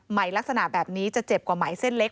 ลักษณะแบบนี้จะเจ็บกว่าไหมเส้นเล็ก